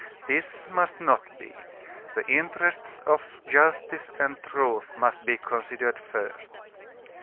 This must not be; the interests of justice and truth must be considered first."